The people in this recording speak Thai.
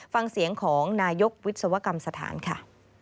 ฟังเสียงของนายกวิศวกรรมสถานค่ะ